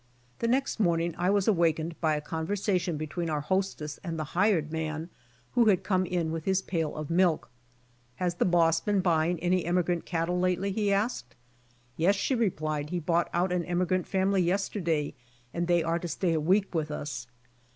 The next morning I was awakened by a conversation between our hostess and the hired man who had come in with his pail of milk. "Has the boss been buying any emigrant cattle lately," he asked. "Yes," she replied, "He bought out an emigrant family yesterday, and they are to stay a week with us."